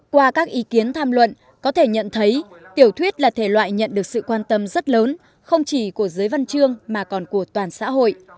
qua các ý kiến tham luận có thể nhận thấy tiểu thuyết là thể loại nhận được sự quan tâm rất lớn không chỉ của giới văn chương mà còn của toàn xã hội